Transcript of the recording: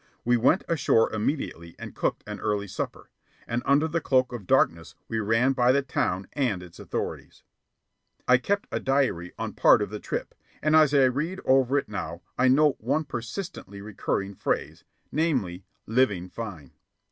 We went ashore immediately and cooked an early supper; and under the cloak of darkness we ran by the town and its authorities. I kept a diary on part of the trip, and as I read it over now I note one persistently recurring phrase, namely, "Living fine."